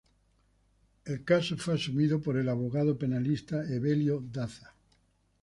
El caso fue asumido por el abogado penalista Evelio Daza.